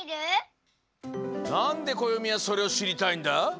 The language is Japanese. なんでこよみはそれをしりたいんだ？